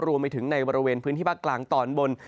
รวมไปถึงในบริเวณพื้นที่ภาคกลางตอนบน